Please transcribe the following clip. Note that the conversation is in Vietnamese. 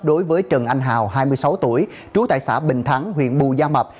đối với trần anh hào hai mươi sáu tuổi trú tại xã bình thắng huyện bù gia mập